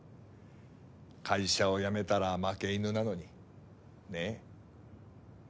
会社を辞めたら負け犬なのにねぇ？